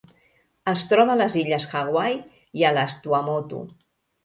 Es troba a les Illes Hawaii i a les Tuamotu.